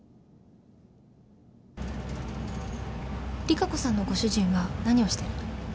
利華子さんのご主人は何をしてるの？